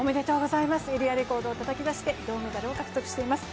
エリアレコードをたたき出して、銅メダルを獲得しています。